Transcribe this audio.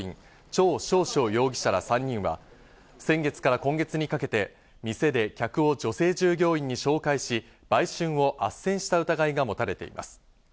チョウ・ショウショウ容疑者ら３人は、先月から今月にかけて店で客を女性従業員に紹介し、売春をあっせんした疑いが持たれています。